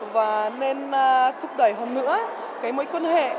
và nên thúc đẩy hơn nữa mối quan hệ